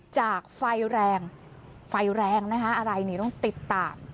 จากไฟแรงไฟแรงนะคะอะไรนี่ต้องติดตาม